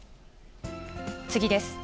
次です。